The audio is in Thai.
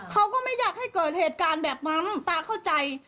เขาก็ไม่อยากให้เกิดเหตุการณ์แบบนั้นตาเข้าใจ